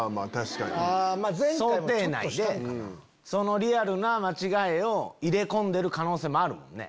リアルな間違えを入れ込んでる可能性もあるもんね。